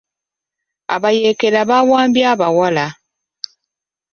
Abayeekera bawambye abawala.